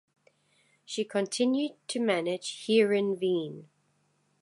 She continued to manage Heerenveen.